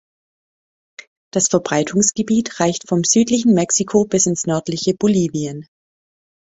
Das Verbreitungsgebiet reicht vom südlichen Mexiko bis ins nördliche Bolivien.